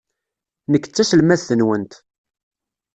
Nekk d taselmadt-nwent.